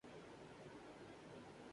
میں ایک کمرہ بک کرانا چاحو گا